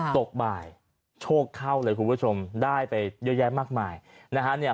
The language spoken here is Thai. ตกบ่ายโชคเข้าเลยคุณผู้ชมได้ไปเยอะแยะมากมายนะฮะ